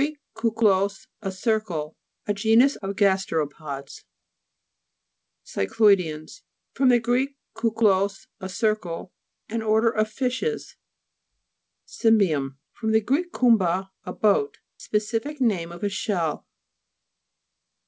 kuklos, a circle. A genus of gasteropods. CYCLOJDEANS fr. gr. kuklos, a cir cle. An order of fishes (p. 49). CY'MJBIUM fr. gr. kumba, a boat, specific name of a shell.